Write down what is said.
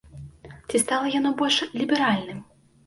Ці стала яно больш ліберальным?